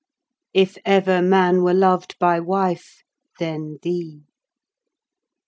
If ever man were lov'd by wife, then thee.